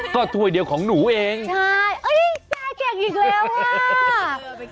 ก็ถ้วยเดียวของหนูเองใช่เอ้ยตาเก่งอีกแล้วอ่ะ